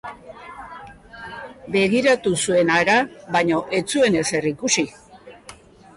Begiratu zuen hara, baina ez zuen ezer ikusi.